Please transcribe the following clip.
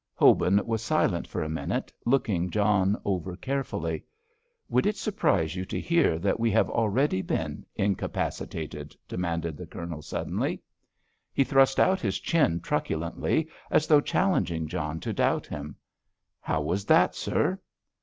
Hobin was silent for a minute, looking John over carefully. "Would it surprise you to hear that we have already been incapacitated?" demanded the Colonel suddenly. He thrust out his chin truculently as though challenging John to doubt him. "How was that, sir?"